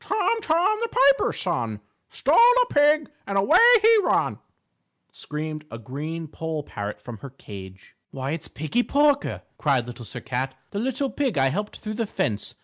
"Tom, Tom, the Piper's Son, Stole a pig and away he run," screamed a green poll parrot from her cage. "Why, it's Piggie Porker," cried Little Sir Cat, "the little pig I helped through the fence.